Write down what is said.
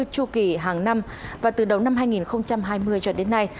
chu kỳ hàng năm và từ đầu năm hai nghìn hai mươi cho đến nay